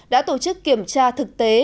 đã tổ chức kiểm tra thực tế